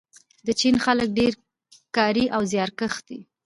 د چین خلک ډیر کاري او زیارکښ دي.